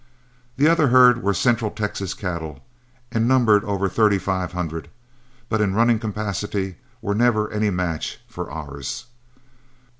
The other herd were Central Texas cattle, and numbered over thirty five hundred, but in running capacity were never any match for ours.